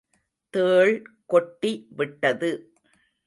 தேள் கொட்டி விட்டது.